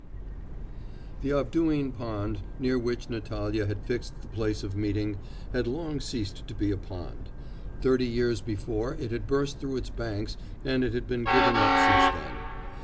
IX The Avduhin pond, near which Natalya had fixed the place of meeting, had long ceased to be a pond. Thirty years before it had burst through its banks and it had been given up since then.